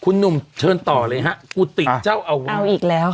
คุณนุ่มเชิงต่อเลยครับกูติกเจ้าเอาเอาอีกแล้วค่ะ